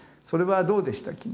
それはどうでした？